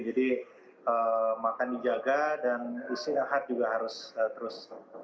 jadi makan dijaga dan istirahat juga harus terus